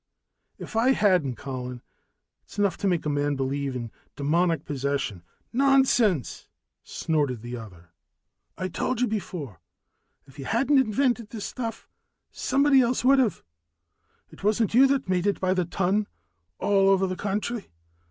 "If I hadn't Colin, it's enough to make a man believe in demoniac possession." "Nonsense!" snorted the other. "I told you before, if you hadn't invented this stuff, somebody else would have. It wasn't you that made it by the ton, all over the country.